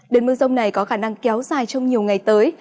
đợt mưa rông này có khả năng kéo dài trong nhiều ngày tới